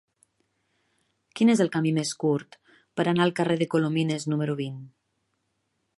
Quin és el camí més curt per anar al carrer de Colomines número vint?